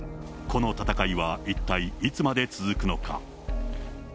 この戦いは一体、いつまで続くのか。